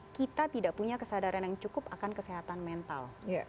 kita tidak punya kesadaran yang cukup akan kesehatan mental